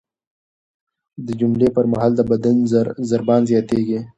د حملې پر مهال د بدن ضربان زیاتېږي.